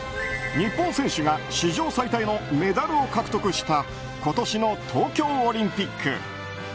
日本選手が史上最多のメダルを獲得した今年の東京オリンピック。